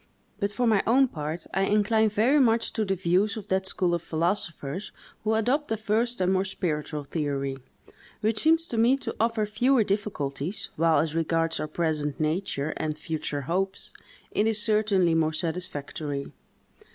But, for my own part, I incline very much to the views of that school of philosophers who adopt the first and more spiritual theory, which seems to me to offer fewer difficulties, while, as regards our present nature, and future hopes, it is certainly more satisfactory.